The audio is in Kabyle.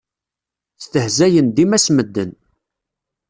Stehzayen dima s medden.